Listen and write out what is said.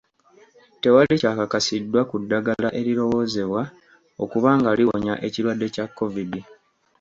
Tewali kyakakasiddwa ku ddagala eriwoozebwa okuba nga liwonya ekirwadde kya Kovidi.